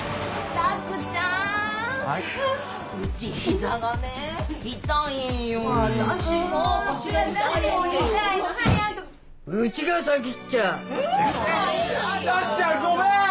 ラクちゃんごめん！